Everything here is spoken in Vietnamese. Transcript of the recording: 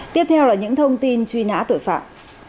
tiếp theo là những thông tin truy nã tội phạm